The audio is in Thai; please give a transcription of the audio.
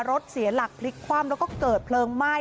รถเสียหลักพลิกคว่ำแล้วก็เกิดเพลิงไหม้